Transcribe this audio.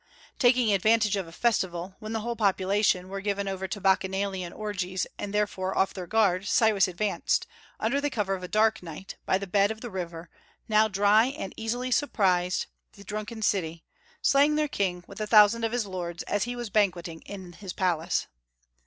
Taking advantage of a festival, when the whole population were given over to bacchanalian orgies, and therefore off their guard, Cyrus advanced, under the cover of a dark night, by the bed of the river, now dry, and easily surprised the drunken city, slaying the king, with a thousand of his lords, as he was banqueting in his palace.